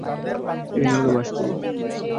এখানে আমরা বাস করি!